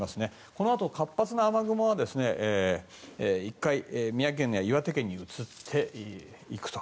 このあと、活発な雨雲は１回、宮城県や岩手県に移っていくと。